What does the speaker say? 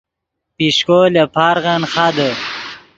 پیشکو لے پارغن خادے